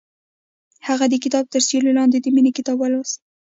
هغې د کتاب تر سیوري لاندې د مینې کتاب ولوست.